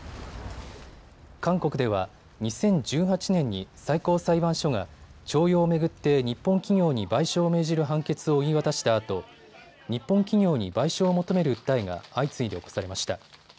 韓国では２０１８年に最高裁判所が徴用を巡って日本企業に賠償を命じる判決を言い渡したあと日本企業に賠償を求める訴えが相次いで起こされました。